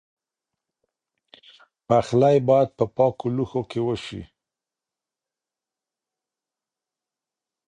پخلی باید په پاکو لوښو کې وشي.